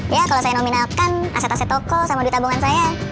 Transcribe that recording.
ya kalau saya nominalkan aset aset toko sama duit tabungan saya